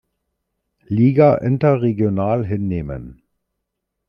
Liga interregional hinnehmen.